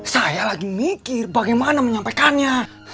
saya lagi mikir bagaimana menyampaikannya